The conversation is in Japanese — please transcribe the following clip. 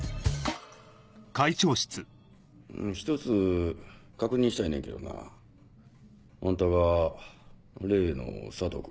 １つ確認したいねんけどなあんたが例の佐藤君？